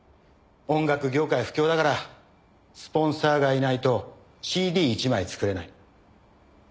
音楽業界不況だからスポンサーがいないとＣＤ１枚作れない。